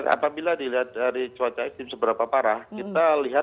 apabila dilihat dari cuaca ekstrim seberapa parah